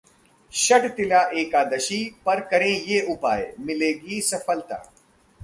षटतिला एकादशी पर करें ये उपाय, मिलेगी सफलता